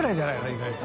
意外と。